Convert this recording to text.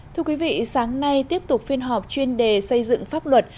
thưa quý vị sáng nay tiếp tục phiên họp chuyên đề xây dựng pháp luật